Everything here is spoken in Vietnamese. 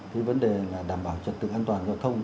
cái vấn đề là đảm bảo trật tự an toàn giao thông